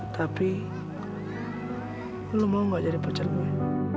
tapi lo mau gak jadi pacar gue